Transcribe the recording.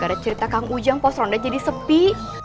gara gara cerita kang ujang pos ronda jadi sepi